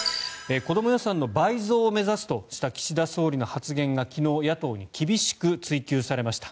子ども予算の倍増を目指すとした岸田総理の発言が昨日、野党に厳しく追及されました。